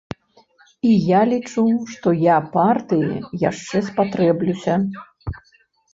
І я лічу, што я партыі яшчэ спатрэблюся.